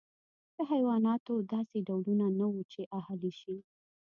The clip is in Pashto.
د حیواناتو داسې ډولونه نه وو چې اهلي شي.